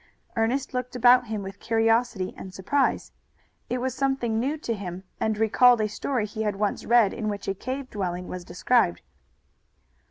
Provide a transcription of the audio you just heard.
Ernest looked about him with curiosity and surprise. It was something new to him and recalled a story he had once read in which a cave dwelling was described.